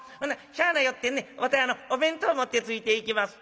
しゃあないよってわたいお弁当持ってついていきます」。